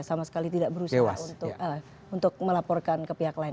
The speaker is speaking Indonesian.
sama sekali tidak berusaha untuk melaporkan ke pihak lain